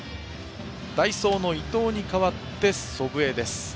代走の伊藤に代わって祖父江です。